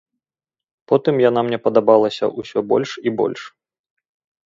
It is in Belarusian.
Потым яна мне падабалася ўсё больш і больш.